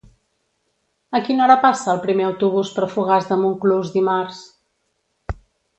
A quina hora passa el primer autobús per Fogars de Montclús dimarts?